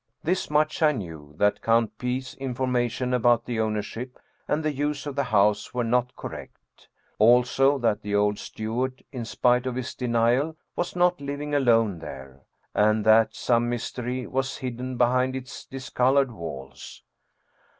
This much I knew, that Count P/s information about the ownership and the use of the house were not correct ; also, that the old steward, in spite of his denial, was not living alone there, and that some mystery was hidden behind its discolored walls.